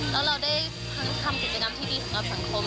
แล้วเราได้ทั้งทำกิจกรรมที่ดีสำหรับสังคม